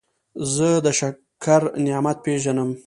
زه د شکر نعمت پېژنم.